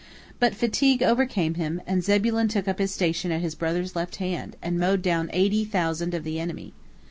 But fatigue overcame him, and Zebulon took up his station at his brother's left hand, and mowed down eighty thousand of the enemy.